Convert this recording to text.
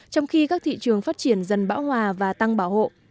trong khi các thị trường phát triển dần bão hòa và tăng bảo hộ